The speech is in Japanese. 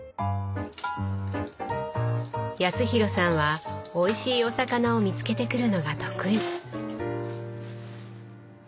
康廣さんはおいしいお魚を見つけてくるのが得意。